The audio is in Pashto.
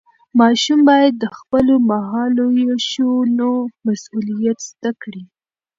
ماشوم باید د خپلو مهالوېشونو مسؤلیت زده کړي.